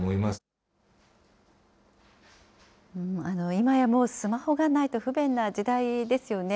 今やもうスマホがないと不便な時代ですよね。